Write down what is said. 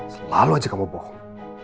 selalu aja kamu bohong